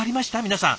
皆さん。